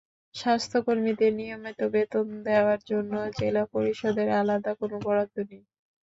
স্বাস্থ্যকর্মীদের নিয়মিত বেতন দেওয়ার জন্য জেলা পরিষদের আলাদা কোনো বরাদ্দ নেই।